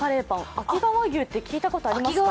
秋川牛って聞いたことありますか